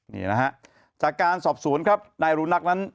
นี่นะฮะจากการสอบศูนย์ครับนายอนุรักษ์นั้น